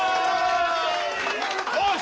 よし！